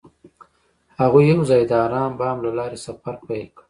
هغوی یوځای د آرام بام له لارې سفر پیل کړ.